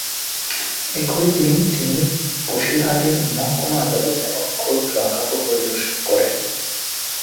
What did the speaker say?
একই দিন তিনি বসিরহাটের মহকুমা আদালত এবং কোর্ট লকআপও পরিদর্শন করেন।